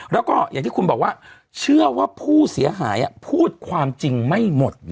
แล้วก็อย่างที่คุณบอกว่าเชื่อว่าผู้เสียหายพูดความจริงไม่หมด